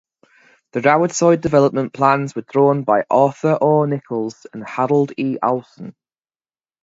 The roadside development plans were drawn by Arthur R. Nichols and Harold E. Olson.